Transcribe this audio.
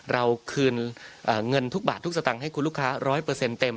เราคืนเงินทุกบาททุกสตางค์ให้คุณลูกค้า๑๐๐เต็ม